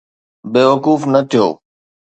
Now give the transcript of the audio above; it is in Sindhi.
بيوقوف نه ٿيو